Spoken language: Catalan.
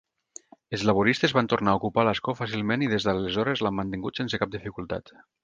Els laboristes va tornar a ocupar l'escó fàcilment i des d'aleshores l'han mantingut sense cap dificultat.